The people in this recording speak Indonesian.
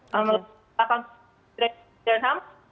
melalui pakang tangerang dan hams